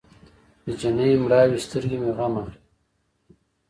د جینۍ مړاوې سترګې مې غم اخلي.